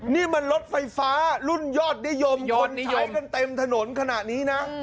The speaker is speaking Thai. นี่มันรถไฟฟ้ารุ่นยอดนิยมคนเยอะกันเต็มถนนขนาดนี้นะ